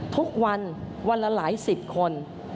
ทุกวันวันละหลายสิบคน